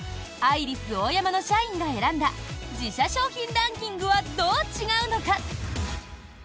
アイリスオーヤマの社員が選んだ自社商品ランキングはどう違うのか？